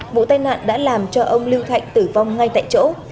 vụ tai nạn đã làm cho ông lưu thạnh tử vong ngay tại chỗ